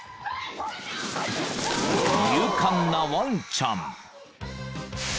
・［勇敢なワンちゃん］